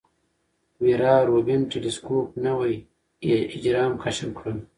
ویرا روبین ټیلسکوپ نوي اجرام کشف کړل.